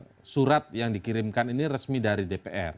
ada tanda tangan serta tanda tangan yang dikirimkan ini resmi dari dpr